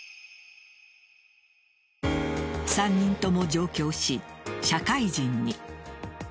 ３人とも上京し、社会人に。